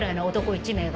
１名が。